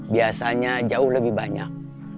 biasanya jauh lebih banyak